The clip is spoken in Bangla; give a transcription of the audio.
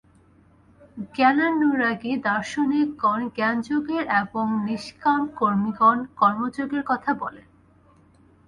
জ্ঞানানুরাগী দার্শনিকগণ জ্ঞানযোগের এবং নিষ্কামকর্মিগণ কর্মযোগের কথা বলেন।